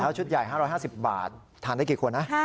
ชุดใหญ่๕๕๐บาททานได้กี่คนนะ